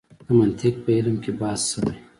د منطق په علم کې بحث شوی.